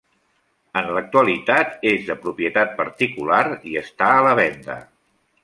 En l’actualitat és de propietat particular i està a la venda.